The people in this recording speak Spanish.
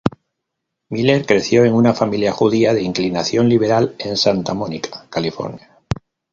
Miller creció en una familia judía de inclinación liberal en Santa Mónica, California.